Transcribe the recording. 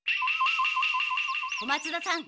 小松田さん